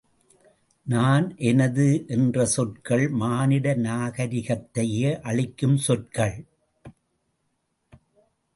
நான் எனது என்ற சொற்கள் மானிட நாகரிகத்தையே அழிக்கும் சொற்கள்!